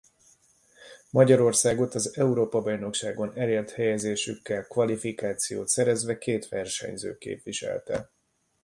Magyarországot az Európa-bajnokságon elért helyezésükkel kvalifikációt szerezve két versenyző képviselte.